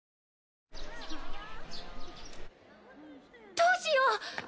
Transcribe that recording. どうしよう！